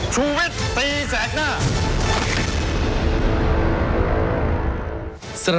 ชูเวทตีแสดหน้า